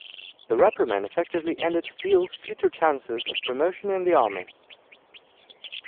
The reprimand effectively ended Steele's future chances of promotion in the Army.